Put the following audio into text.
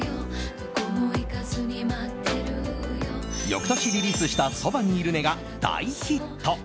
翌年リリースした「そばにいるね」が大ヒット！